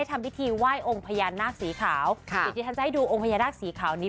ทำพิธีไหว้องค์พญานาคสีขาวค่ะเดี๋ยวที่ฉันจะให้ดูองค์พญานาคสีขาวนี้